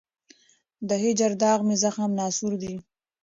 د هجر داغ مي زخم ناصور دی